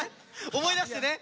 思い出してね。